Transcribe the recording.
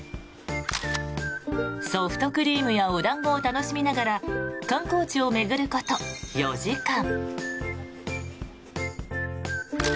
ソフトクリームやお団子を楽しみながら観光地を巡ること４時間。